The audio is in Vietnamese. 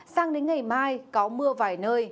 sang đến ngày mai có mưa vài nơi